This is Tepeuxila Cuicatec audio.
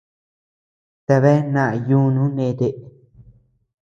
Tebean naa yuunu ndete.